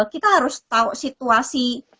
kita harus tahu situasi